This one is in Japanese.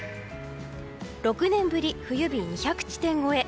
６年ぶり冬日２００地点超え。